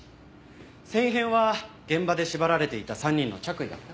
繊維片は現場で縛られていた３人の着衣だった。